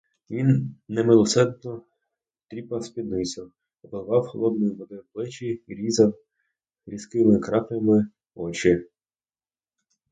Він немилосердно тріпав спідницю, обливав холодною водою плечі й різав різкими краплями очі.